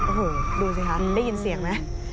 โอ้โหดูสิคะได้ยินเสียงไหม